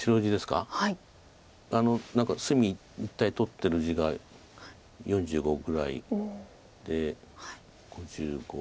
何か隅一帯取ってる地が４５ぐらいで。